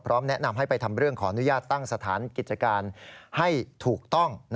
แนะนำให้ไปทำเรื่องขออนุญาตตั้งสถานกิจการให้ถูกต้อง